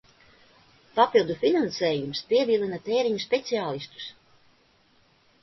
Papildu finansējums pievilina tēriņu speciālistus!